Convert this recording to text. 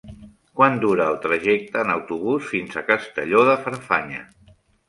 Quant dura el trajecte en autobús fins a Castelló de Farfanya?